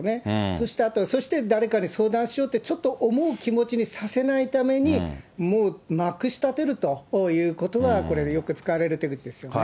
そして、あと誰かに相談しようって、ちょっと思う気持ちにさせないために、もうまくしたてるということは、これ、よく使われる手口ですよね。